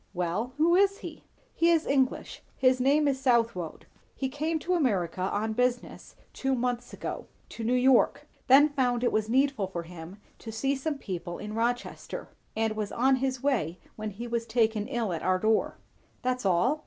"Well who is he?" "He is English; his name is Southwode. He came to America on business two months ago; to New York; then found it was needful for him to see some people in Rochester; and was on his way when he was taken ill at our door." "That's all?"